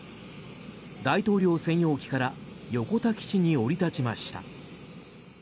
大統領専用機から横田基地に降り立ちました。